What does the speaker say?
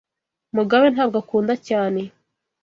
Mugabe ntabwo akunda cyane.